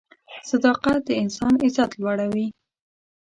صداقت د انسان عزت لوړوي.